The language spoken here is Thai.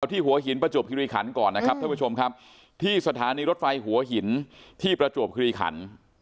ที่หัวหินประจวบคิริขันก่อนนะครับท่านผู้ชมครับที่สถานีรถไฟหัวหินที่ประจวบคิริขัน